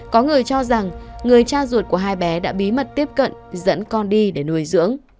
có người cho rằng người cha ruột của hai bé đã bí mật tiếp cận dẫn con đi để nuôi dưỡng